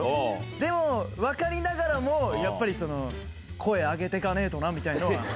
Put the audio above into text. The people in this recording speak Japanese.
でも、分かりながらも、やっぱり声上げてかねぇとなみたいのは。